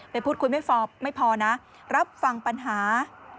พูดคุยไม่พอนะรับฟังปัญหา